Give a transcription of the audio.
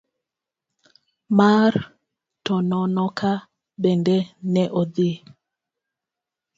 mar Tononoka bende ne odhi.